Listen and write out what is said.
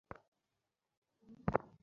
ছেলেটা এখনো ছোটো, তাই।